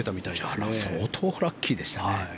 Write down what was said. じゃあ相当ラッキーでしたね。